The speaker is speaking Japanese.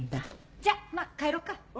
じゃまぁ帰ろうか。